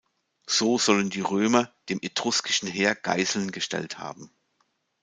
So sollen die Römer dem etruskischen Heer Geiseln gestellt haben.